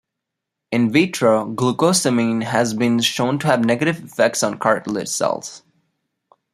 In vitro, glucosamine has been shown to have negative effects on cartilage cells.